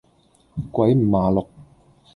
鬼五馬六